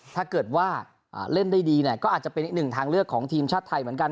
ถ้าเกิดว่าเล่นได้ดีเนี่ยก็อาจจะเป็นอีกหนึ่งทางเลือกของทีมชาติไทยเหมือนกัน